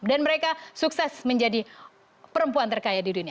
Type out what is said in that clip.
dan mereka sukses menjadi perempuan terkaya di dunia